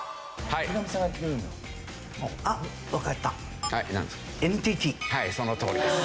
はいそのとおりです。